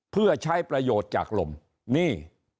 เพื่อใช้ประโยชน์จากลมนี่